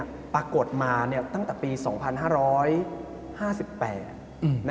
แขกเบอร์ใหญ่ของผมในวันนี้